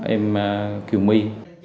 em kiều my